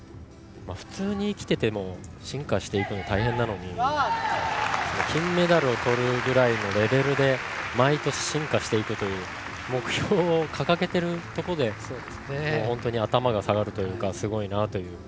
普通に生きてても進化していくの大変なのに金メダルをとるぐらいのレベルで毎年進化していくという目標を掲げているところで本当に頭が下がるというかすごいなという。